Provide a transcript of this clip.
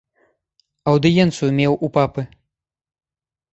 Аўдыенцыю меў у папы.